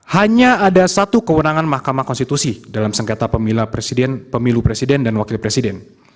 hanya ada satu kewenangan mahkamah konstitusi dalam sengketa pemilu presiden pemilu presiden dan wakil presiden